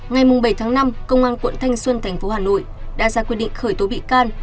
ngày bảy tháng năm công an quận thanh xuân thành phố hà nội đã ra quyết định khởi tố bị can